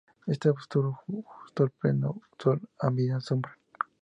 Este arbusto gusta de pleno sol o media sombra.